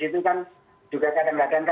itu kan juga kadang kadang